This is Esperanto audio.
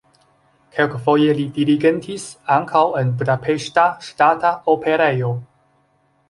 Kelkfoje li dirigentis ankaŭ en Budapeŝta Ŝtata Operejo.